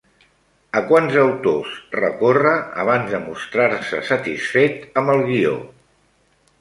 A quants autors recorre abans de mostrar-se satisfet amb el guió?